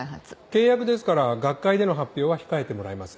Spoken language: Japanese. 契約ですから学会での発表は控えてもらいます。